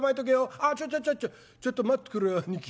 「あっちょちょちょちょちょっと待ってくれよ兄貴。